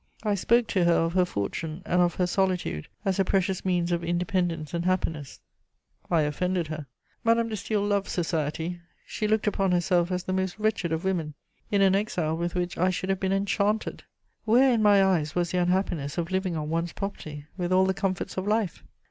I spoke to her of her fortune and of her solitude as a precious means of independence and happiness: I offended her. Madame de Staël loved society; she looked upon herself as the most wretched of women, in an exile with which I should have been enchanted. Where in my eyes was the unhappiness of living on one's property with all the comforts of life?